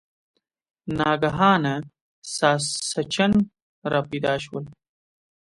ناګهانه ساسچن را پیدا شول.